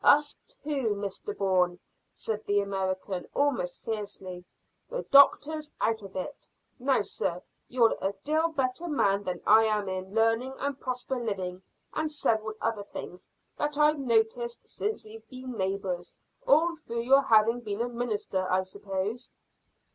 "Us two, Mr Bourne," said the American, almost fiercely. "The doctor's out of it. Now, sir, you're a deal better man than I am in learning and proper living, and several other things that I've noticed since we've been neighbours, all through your having been a minister, I suppose?"